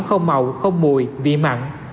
không màu không mùi vị mặn